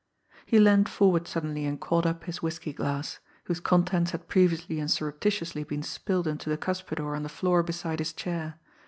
He leaned forward suddenly and caught up his whisky glass whose contents had previously and surreptitiously been spilled into the cuspidor on the floor beside his chair.